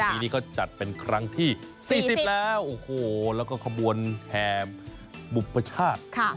ปีนี้เขาจัดเป็นครั้งที่๔๐แล้วโอ้โหแล้วก็ขบวนแห่บุปชาติ